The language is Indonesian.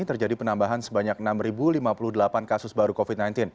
terjadi penambahan sebanyak enam lima puluh delapan kasus baru covid sembilan belas